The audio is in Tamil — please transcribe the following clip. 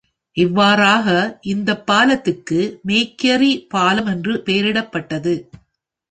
இவ்வாறாக இந்தப் பாலத்துக்கு மேக்யரி பாலம் என்று பெயரிடப்பட்டது.